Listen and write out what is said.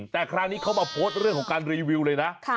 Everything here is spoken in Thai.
แต่คราวนี้เขามาโพสต์เรื่องของการรีวิวเลยนะ